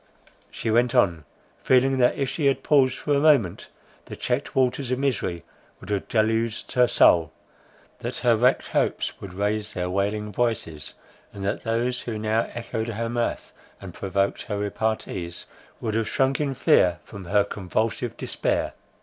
She went on, feeling that, if she had paused for a moment, the checked waters of misery would have deluged her soul, that her wrecked hopes would raise their wailing voices, and that those who now echoed her mirth, and provoked her repartees, would have shrunk in fear from her convulsive despair.